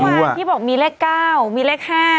เมื่อที่บอกมีเลขก้าวมีเลขห้า